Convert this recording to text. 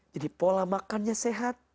jadi pola makannya sehat